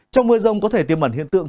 trong mưa rông có thể tiêm ẩn hiện tượng